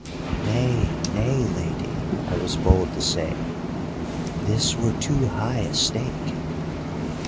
"'Nay, nay, Lady,' I was bold to say, 'this were too high a stake.